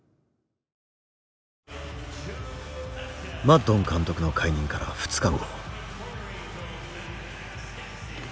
マッドン監督の解任から２日後。